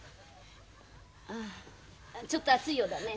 ああちょっと熱いようだね。